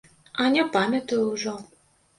А не памятаю ўжо.